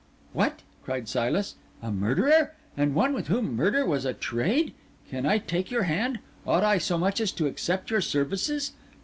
"What?" cried Silas. "A murderer? And one with whom murder was a trade? Can I take your hand? Ought I so much as to accept your services?